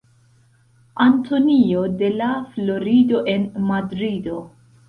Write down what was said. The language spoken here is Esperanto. Antonio de La Florido en Madrido.